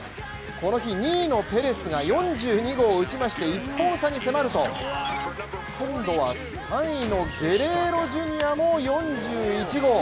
この日２位のペレスが４２号を打ちまして１本差に迫ると、今度は３位のゲレーロジュニアも４１号。